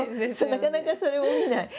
なかなかそれも見ない。